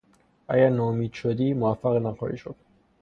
اگر نومید شوی موفق نخواهی شد.